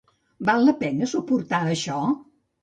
Val la pena suportar això?